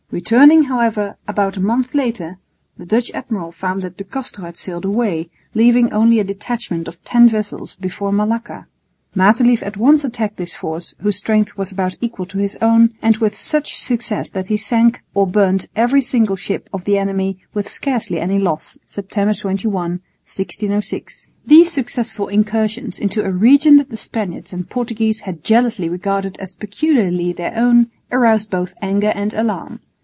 Returning, however, about a month later, the Dutch admiral found that De Castro had sailed away, leaving only a detachment of ten vessels before Malacca. Matelief at once attacked this force, whose strength was about equal to his own, and with such success that he sank or burnt every single ship of the enemy with scarcely any loss, September 21, 1606. These successful incursions into a region that the Spaniards and Portuguese had jealously regarded as peculiarly their own aroused both anger and alarm.